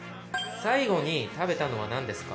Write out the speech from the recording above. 最後に食べたのはなんですか？